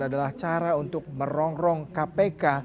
adalah cara untuk merongrong kpk